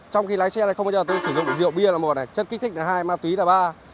trong khi lái xe này không bao giờ tôi sử dụng rượu bia là một là chất kích thích là hai ma túy là ba